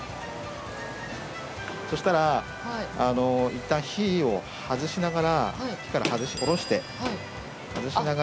そしたらいったん火を外しながら火から下ろして崩しながらこう。